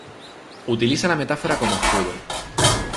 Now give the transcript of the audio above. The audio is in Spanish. Utiliza la metáfora como escudo.